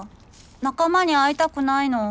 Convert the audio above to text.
仲間に会いたくないの？